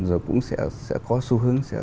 rồi cũng sẽ có xu hướng